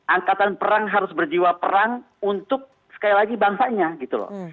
angkatan perang harus berjiwa perang untuk sekali lagi bangsanya gitu loh